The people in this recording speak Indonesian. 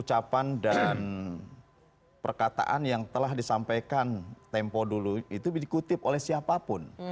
ucapan dan perkataan yang telah disampaikan tempo dulu itu dikutip oleh siapapun